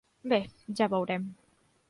Bé, ja veurem.